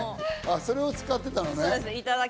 それを使ってたのね。